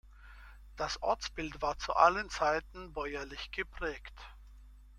Das Ortsbild war zu allen Zeiten bäuerlich geprägt.